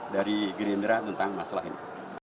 dari gerindra tentang masalah ini